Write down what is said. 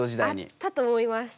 あったと思います。